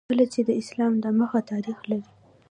کلا چې د اسلام د مخه تاریخ لري